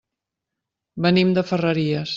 Venim de Ferreries.